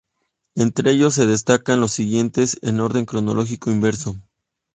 Entre ellos se destacan los siguientes en orden cronológico inverso.